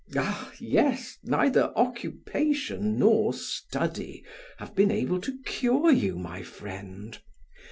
"Ah! yes, neither occupation nor study have been able to cure you, my friend.